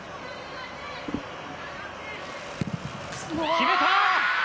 決めた！